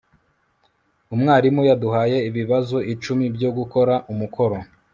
umwarimu yaduhaye ibibazo icumi byo gukora umukoro